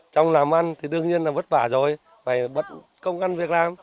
trong làm ăn thì đương nhiên là vất vả rồi phải bất công ăn việc làm